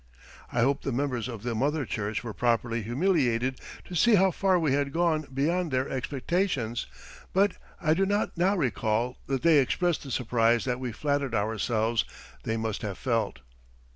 I hope the members of the mother church were properly humiliated to see how far we had gone beyond their expectations, but I do not now recall that they expressed the surprise that we flattered ourselves they must have felt.